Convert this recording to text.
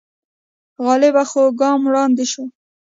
غالبه خوا ګام وړاندې شو